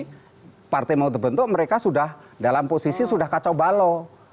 jadi partai mau terbentuk mereka sudah dalam posisi sudah kacau balo